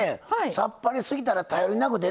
さっぱりすぎたら頼りなくてね